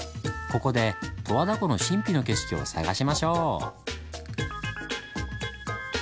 ここで十和田湖の神秘の景色を探しましょう！